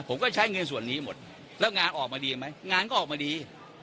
ผมก็ใช้เงินส่วนนี้หมดแล้วงานออกมาดีไหมงานก็ออกมาดี